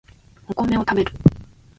お米を食べる